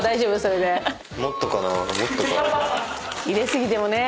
入れ過ぎてもね。